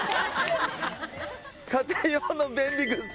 家庭用の便利グッズ。